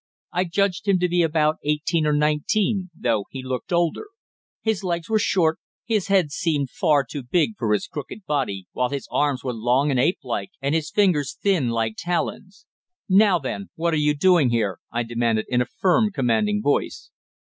I judged him to be about eighteen or nineteen, though he looked older. His legs were short, his head seemed far too big for his crooked body, while his arms were long and ape like, and his fingers thin, like talons. "Now then, what are you doing here?" I demanded in a firm, commanding voice.